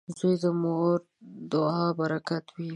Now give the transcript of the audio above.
• زوی د مور د دعا برکت وي.